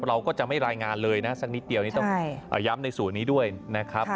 เราก็จะไม่รายงานเลยนะสักนิดเดียวนี่ต้องย้ำในส่วนนี้ด้วยนะครับ